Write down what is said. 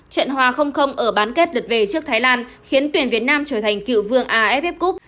trận hòa ở bán kết lượt về trước thái lan khiến tuyển việt nam trở thành cựu vương aff cup